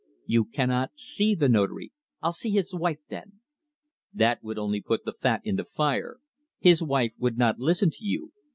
"You cannot see the Notary." "I'll see his wife, then " "That would only put the fat in the fire. His wife would not listen to you.